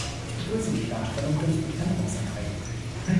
Ich begrüße die Klarstellung durch die Änderungsanträge.